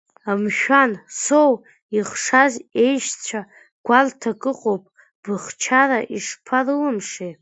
Мшәан, Соу ихшаз еишьцәа гәарҭак ыҟоуп, быхьчара шԥарылымшеи?!